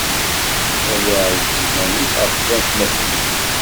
Ad iɛzel iman-is ɣef watmaten-is.